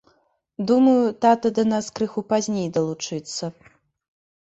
Думаю, тата да нас крыху пазней далучыцца.